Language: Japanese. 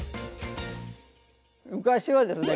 昔はですね